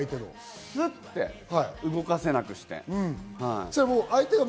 スッて動かせなくして。